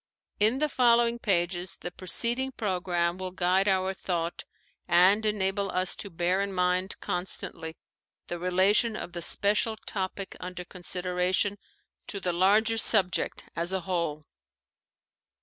In the following pages the preceding ' program will guide our thought and enable us to bear in mind constantly the relation of the special topic under consideration to the larger subject as a whole.